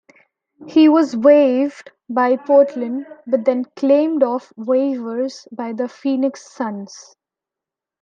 He was waived by Portland, but then claimed off waivers by the Phoenix Suns.